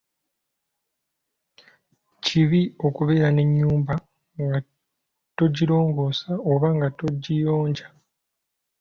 Kibi okubeera n'ennyumba nga togirongoosa oba nga togiyonja.